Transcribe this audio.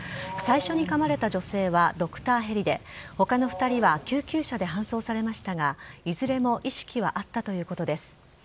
最初にかまれた女性はドクターヘリで、ほかの２人は救急車で搬送されましたが、いずれも意識はあったということです。